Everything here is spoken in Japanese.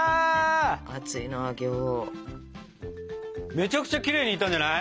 めちゃくちゃきれいにいったんじゃない？